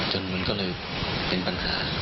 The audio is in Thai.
จนมันก็เลยเป็นปัญหา